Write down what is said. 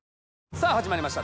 さぁ始まりました